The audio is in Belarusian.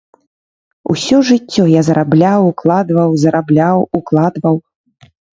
Усё жыццё я зарабляў, укладваў, зарабляў, укладваў.